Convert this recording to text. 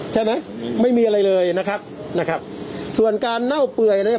ใช่ไหมไม่มีอะไรเลยนะครับนะครับส่วนการเน่าเปื่อยนะครับ